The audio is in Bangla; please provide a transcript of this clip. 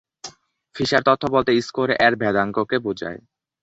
ফিশার তথ্য বলতে স্কোর এর ভেদাঙ্ক-কে বোঝায়।